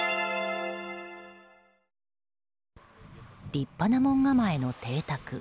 立派な門構えの邸宅。